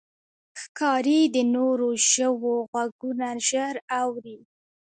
ښکاري د نورو ژوو غږونه ژر اوري.